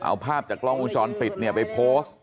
เอาภาพจากกล้องวงจรปิดเนี่ยไปโพสต์